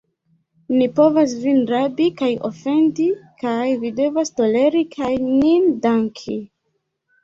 Ni povas vin rabi kaj ofendi, kaj vi devas toleri kaj nin danki.